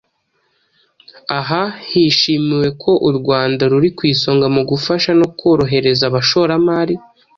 Aha, hishimiwe ko u Rwanda ruri ku isonga mu gufasha no korohereza abashoramari.